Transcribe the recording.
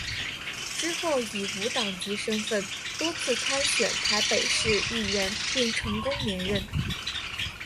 之后以无党籍身分多次参选台北市议员并成功连任。